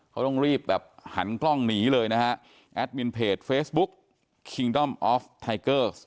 เขาต้องรีบแบบหันกล้องหนีเลยนะฮะแอดมินเพจเฟซบุ๊กคิงด้อมออฟไทเกอร์